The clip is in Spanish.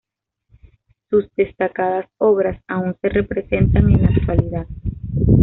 Sus destacadas obras aún se representan en la actualidad.